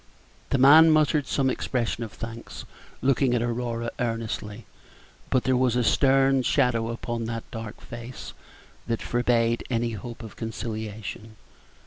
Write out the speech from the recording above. The man muttered some expression of thanks, looking at Aurora earnestly; but there was a stern shadow upon that dark face that forbade any hope of conciliation.